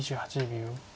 ２８秒。